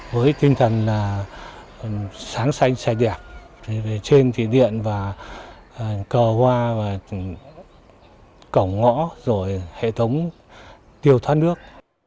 với tinh thần sáng xanh xanh đẹp trên thị điện cờ hoa cổng ngõ rồi hệ thống tiêu thoát nước